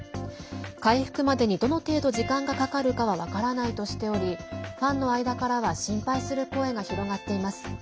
回復までにどの程度、時間がかかるかは分からないとしておりファンの間からは心配する声が広がっています。